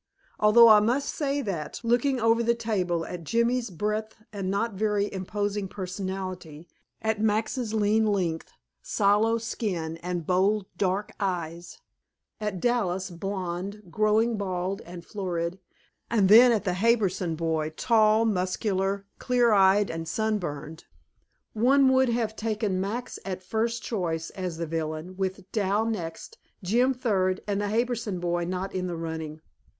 Although I must say that, looking over the table, at Jimmy's breadth and not very imposing personality, at Max's lean length, sallow skin, and bold dark eyes, at Dallas, blond, growing bald and florid, and then at the Harbison boy, tall, muscular, clear eyed and sunburned, one would have taken Max at first choice as the villain, with Dal next, Jim third, and the Harbison boy not in the running.